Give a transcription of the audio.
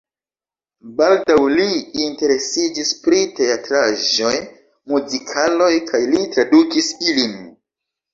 Baldaŭ li interesiĝis pri teatraĵoj, muzikaloj kaj li tradukis ilin.